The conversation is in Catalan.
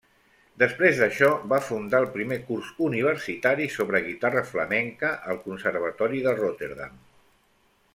Després d'això, va fundar el primer curs universitari sobre guitarra flamenca, al Conservatori de Rotterdam.